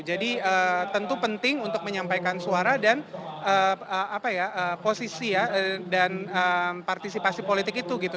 jadi tentu penting untuk menyampaikan suara dan posisi ya dan partisipasi politik itu gitu